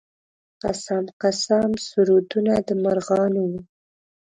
قسم قسم سرودونه د مرغانو و.